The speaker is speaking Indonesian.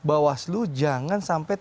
ada yang mengucapkan